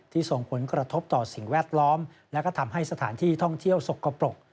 ส่งผลกระทบต่อสิ่งแวดล้อมและก็ทำให้สถานที่ท่องเที่ยวสกปรก